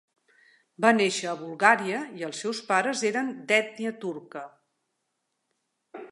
Va néixer a Bulgària i els seus pares eren d"ètnia turca.